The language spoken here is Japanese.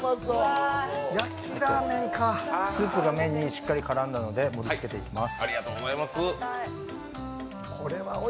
スープが麺にしっかり絡んだので盛りつけていきます。